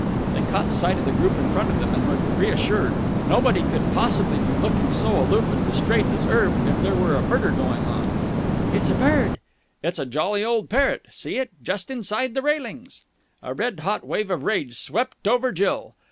They caught sight of the group in front of them, and were reassured. Nobody could possibly be looking so aloof and distrait as Erb if there were a murder going on. "It's a bird!" "It's a jolly old parrot. See it? Just inside the railings." A red hot wave of rage swept over Jill.